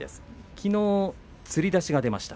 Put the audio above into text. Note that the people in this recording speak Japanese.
きのう、つり出しが出ました。